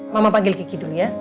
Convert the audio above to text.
mama panggil kiki dulu ya